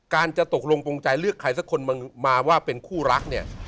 การจะตกลงปงใจเลือกใครสักคนมาว่าเป็นคู่รักเนี่ย